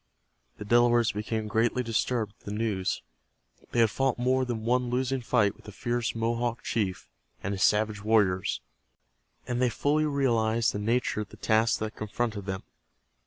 The Delawares became greatly disturbed at the news. They had fought more than one losing fight with the fierce Mohawk chief and his savage warriors, and they fully realized the nature of the task that confronted them.